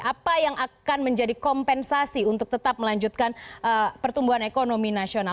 apa yang akan menjadi kompensasi untuk tetap melanjutkan pertumbuhan ekonomi nasional